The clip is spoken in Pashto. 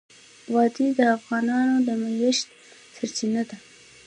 وادي د افغانانو د معیشت سرچینه ده.